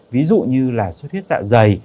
ví dụ như là suất huyết dạ dày